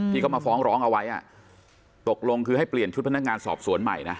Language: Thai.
ที่เขามาฟ้องร้องเอาไว้ตกลงคือให้เปลี่ยนชุดพนักงานสอบสวนใหม่นะ